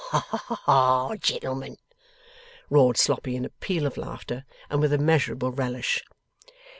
'Ha, ha, ha, gentlemen!' roared Sloppy in a peal of laughter, and with immeasureable relish.